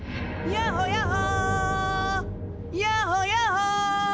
やほやほ。